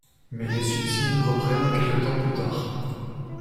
Mais les subsides reprennent quelque temps plus tard.